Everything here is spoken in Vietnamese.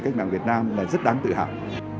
cách mạng việt nam là rất đáng tự hào